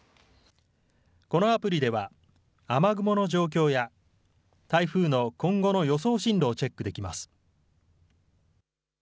このアプリでは、雨雲の状況や台風の今後の予想進路をチェックできます。